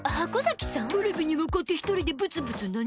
テレビに向かって一人でブツブツ何しとるんじゃ！